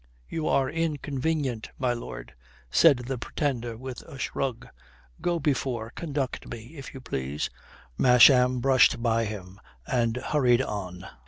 "You are inconvenient, my lord," says the Pretender with a shrug. "Go before. Conduct me, if you please," Masham brushed by him and hurried on.